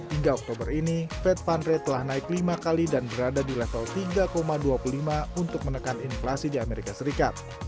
hingga oktober ini fed fund rate telah naik lima kali dan berada di level tiga dua puluh lima untuk menekan inflasi di amerika serikat